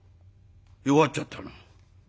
弱っちゃったな。